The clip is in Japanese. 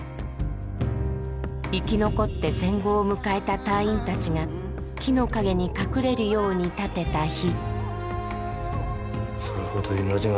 生き残って戦後を迎えた隊員たちが木の陰に隠れるように建てた碑。